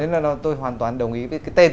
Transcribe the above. nên là tôi hoàn toàn đồng ý với cái tên